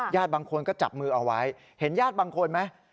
บางคนก็จับมือเอาไว้เห็นญาติบางคนไหม